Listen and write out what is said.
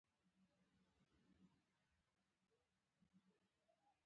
آیا چیرې چې جنګ نه وي؟